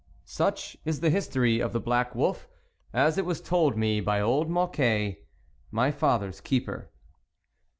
Such is the history of the black wolf, as it was told me by old Mocquet, my father's keeper.